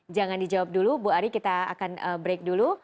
jangan dijawab dulu bu ari kita akan break dulu